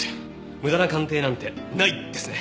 無駄な鑑定なんてないんですね。